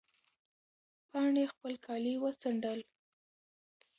پاڼې خپل کالي وڅنډل.